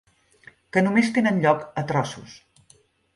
Que només tenen lloc a trossos.